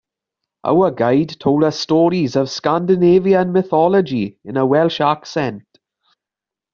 Our guide told us stories of Scandinavian mythology in a Welsh accent.